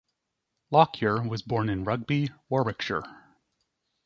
Lockyer was born in Rugby, Warwickshire.